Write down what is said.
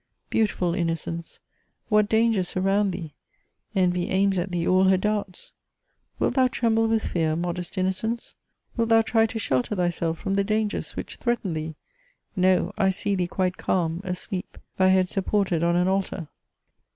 Beautiful innocence ! What dangers surround thee ! Envy aims at thee all her darts ! Wilt thou tremble with fear, modest innooenee ? Wilt thou try to shelter thyself from the dangers which threaten thee ? No : I see thee quite calm, asleep, thy head supported on an altar."